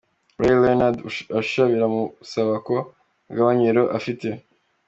Ray Leonard, Usher biramusaba ko agabanya ibiro afite.